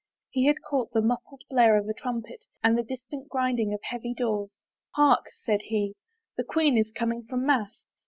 He had caught the muffled blare of a trumpet and the distant grinding of heavy doors. " Hark," said he, " the queen is coming from mass."